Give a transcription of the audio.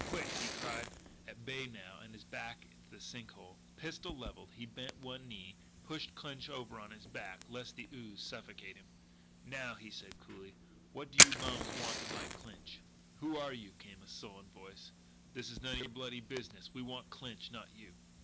Quick!" he cried, at bay now, and his back to the sink hole. Pistol levelled, he bent one knee, pushed Clinch over on his back, lest the ooze suffocate him. "Now," he said coolly, "what do you bums want of Mike Clinch?" "Who are you?" came a sullen voice. "This is none o' your bloody business. We want Clinch, not you."